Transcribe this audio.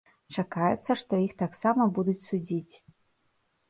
Чакаецца, што іх таксама будуць судзіць.